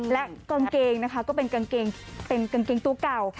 และกางเกงนะคะก็เป็นกางเกงตู้เก่า